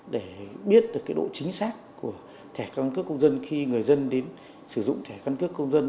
để biết được cái độ chính xác của thẻ căn cức công dân khi người dân đến sử dụng thẻ căn cức công dân